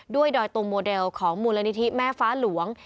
ดอยตุงโมเดลของมูลนิธิแม่ฟ้าหลวง